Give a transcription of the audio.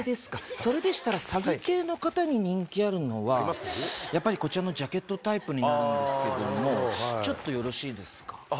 それでしたら、詐欺系の方に人気あるのは、やっぱりこちらのジャケットタイプになるんですけども。